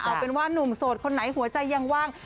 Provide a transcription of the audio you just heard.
เอาเป็นว่านุ่มโสดคนไหนหัวใจยังว่าง